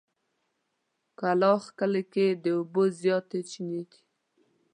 کلاخ کلي کې د اوبو زياتې چينې دي.